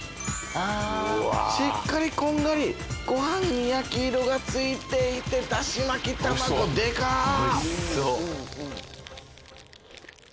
しっかりこんがりご飯に焼き色が付いていてだし巻き卵でかっ！